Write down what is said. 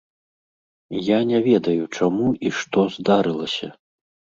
Я не ведаю, чаму і што здарылася.